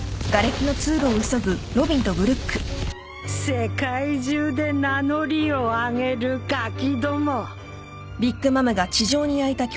世界中で名乗りを上げるガキども